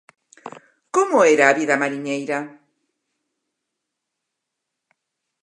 Como era a vida mariñeira?